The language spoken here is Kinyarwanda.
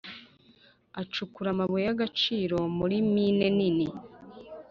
Acukura amabuye y’agaciro muri mine nini